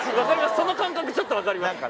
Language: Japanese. その感覚ちょっと分かります